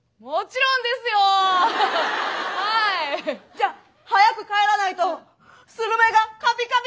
じゃあ早く帰らないとスルメがカピカピになってしまう。